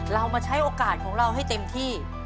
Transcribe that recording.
เรามาใช้โอกาสของเราให้เต็มที่